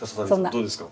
どうですか？